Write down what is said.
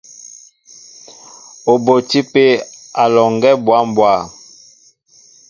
Ó botí pē alɔŋgɛ́ bwâm bwâm.